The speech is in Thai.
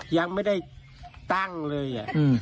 ยังไม่ได้ตั้งเลย